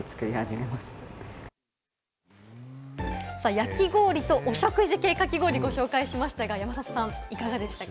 焼き氷と食事系かき氷、ご紹介しましたが、山里さん、いかがでしたか？